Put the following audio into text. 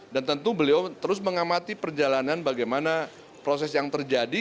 dan tentu beliau terus mengamati perjalanan bagaimana proses yang terjadi